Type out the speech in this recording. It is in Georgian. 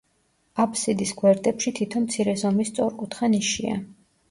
აბსიდის გვერდებში თითო მცირე ზომის სწორკუთხა ნიშია.